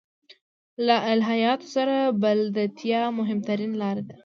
له الهیاتو سره بلدتیا مهمترینه لاره ده.